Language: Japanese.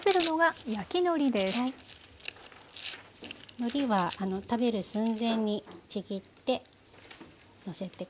のりは食べる寸前にちぎってのせて下さい。